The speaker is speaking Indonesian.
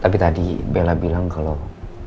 tapi tadi bella bilang kalau